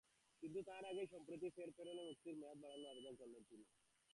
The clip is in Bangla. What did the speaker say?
কিন্তু তার আগেই সম্প্রতি ফের প্যারোলে মুক্তির মেয়াদ বাড়ানোর আবেদন করলেন তিনি।